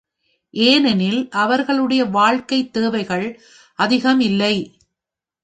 ஏனெனில் அவர்களுடைய வாழ்க்கைத் தேவைகள் அதிகம் இல்லை.